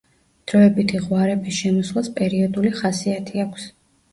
დროებითი ღვარების შემოსვლას პერიოდული ხასიათი აქვს.